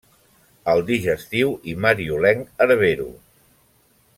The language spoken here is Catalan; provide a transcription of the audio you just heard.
El digestiu i mariolenc Herbero.